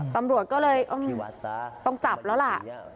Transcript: ตำรวจก็เลยต้องจับแล้วล่ะ